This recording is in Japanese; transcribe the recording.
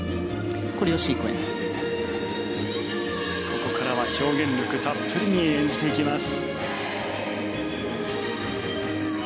ここからは表現力たっぷりに演じていきます。